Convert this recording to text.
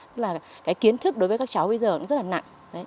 tức là cái kiến thức đối với các cháu bây giờ cũng rất là nặng